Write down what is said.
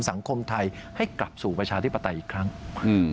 สังคมไทยให้กลับสู่ประชาธิปไตยอีกครั้งอืม